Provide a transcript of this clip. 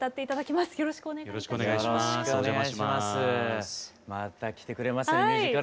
また来てくれましたよ